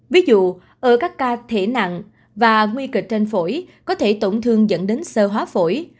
ví dụ ở các ca thể nặng và nguy kịch trên phổi có thể tổn thương dẫn đến sơ hóa phổi